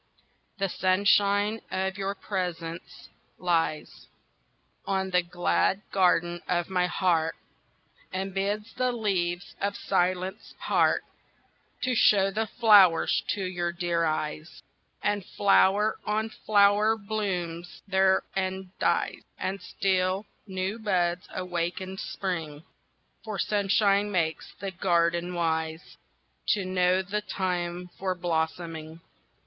THE sunshine of your presence lies On the glad garden of my heart And bids the leaves of silence part To show the flowers to your dear eyes, And flower on flower blooms there and dies And still new buds awakened spring, For sunshine makes the garden wise, To know the time for blossoming.